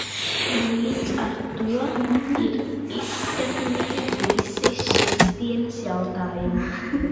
Līdz ar to ir izskatīti visi šīsdienas jautājumi.